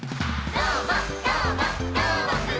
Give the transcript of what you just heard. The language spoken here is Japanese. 「どーもどーもどーもくん！」